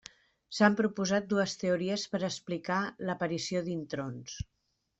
S'han proposat dues teories per explicar l'aparició d'introns.